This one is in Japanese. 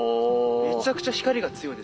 めちゃくちゃ光が強いです。